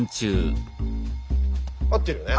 合ってるよね？